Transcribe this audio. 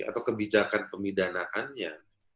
atau kebijakan pemidanaannya